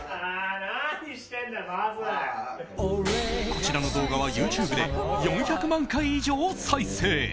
こちらの動画はＹｏｕＴｕｂｅで４００万回以上再生！